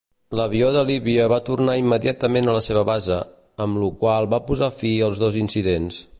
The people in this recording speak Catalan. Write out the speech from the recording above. L'avió de Líbia va tornar immediatament a la seva base, amb lo qual va posar fi als dos incidents.